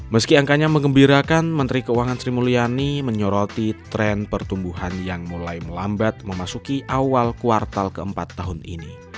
meski angkanya mengembirakan menteri keuangan sri mulyani menyoroti tren pertumbuhan yang mulai melambat memasuki awal kuartal keempat tahun ini